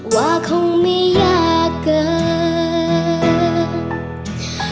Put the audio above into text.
ว่าคงไม่ยากเกิน